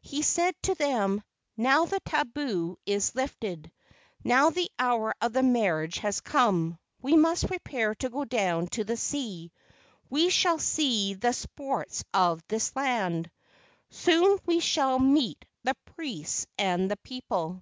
He said to them: "Now the tabu is lifted. Now the hour of the marriage has come. We must prepare to go down to the sea. We shall see the sports of this land. Soon we shall meet the priests and the people."